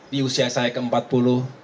di usia saya keempat puluh